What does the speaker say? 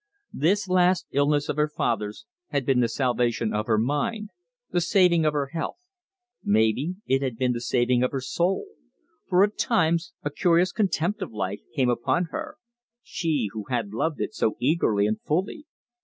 This last illness of her father's had been the salvation of her mind, the saving of her health. Maybe it had been the saving of her soul; for at times a curious contempt of life came upon her she who had loved it so eagerly and fully.